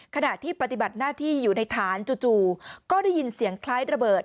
ขณะที่ปฏิบัติหน้าที่อยู่ในฐานจู่ก็ได้ยินเสียงคล้ายระเบิด